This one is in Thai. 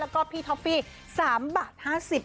และพี่ทอฟฟี่๓บาท๕๐รูนาที